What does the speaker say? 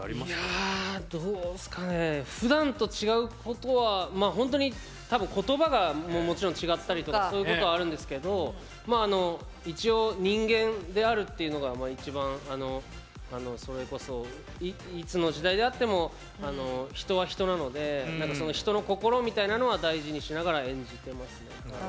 いやどうっすかねえふだんと違うことはまあほんとに多分言葉がもちろん違ったりとかそういうことはあるんですけど一応人間であるっていうのがまあ一番あのそれこそいつの時代であっても人は人なので何かその人の心みたいなのは大事にしながら演じてますね。